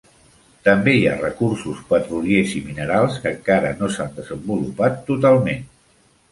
També hi ha recursos petroliers i minerals que encara no s'han desenvolupat totalment.